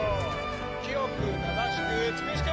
清く正しく美しく。